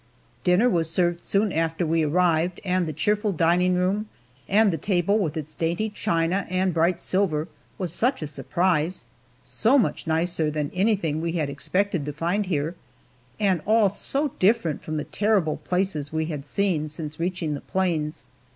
Dinner was served soon after we arrived, and the cheerful dining room, and the table with its dainty china and bright silver, was such a surprise so much nicer than anything we had expected to find here, and all so different from the terrible places we had seen since reaching the plains.